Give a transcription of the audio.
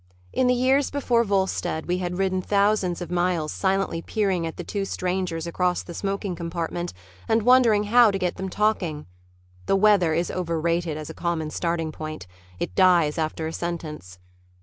In the years before Volstead we had ridden thousands of miles silently peering at the two strangers across the smoking compartment and wondering how to get them talking. The weather is overrated as a common starting point. It dies after a sentence.